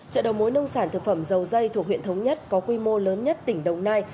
chợ đầu mối nông sản thực phẩm dầu dây thuộc huyện thống nhất có quy mô lớn nhất tỉnh đồng nai